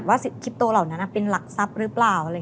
ว่าคลิปโตเหล่านั้นเป็นหลักทรัพย์หรือเปล่า